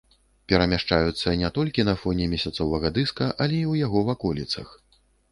Перамяшчаюцца не толькі на фоне месяцавага дыска, але і ў яго ваколіцах.